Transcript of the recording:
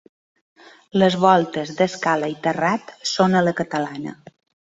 Les voltes d'escala i terrat són a la catalana.